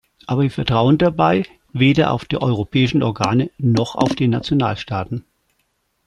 Aber wir vertrauen dabei weder auf die europäischen Organe noch auf die Nationalstaaten.